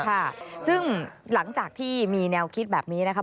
ค่ะซึ่งหลังจากที่มีแนวคิดแบบนี้นะครับ